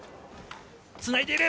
つないでいる。